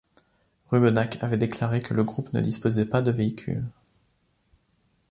Rubenach avait déclaré que le groupe ne disposait pas de véhicule.